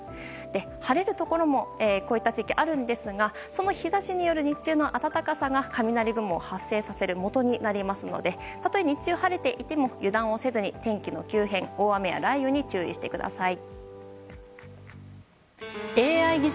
晴れるところもこういった地域ありますがその日差しによる日中の暖かさが雷雲を発生させるもとになりますのでたとえ日中晴れていても油断をせずに天気の急変、大雨や雷雨に注意してください。